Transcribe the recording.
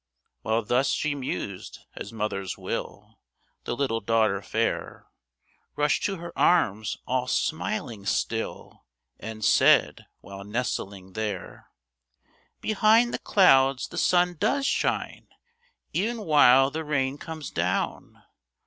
While thus she mused, as mothers will, The little daughter fair Rushed to her arms, all smiling still, And said, while nestling there, "Behind the clouds the sun does shine, E'en while the rain comes down."